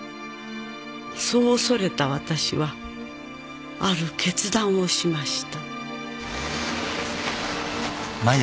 「そう恐れた私はある決断をしました」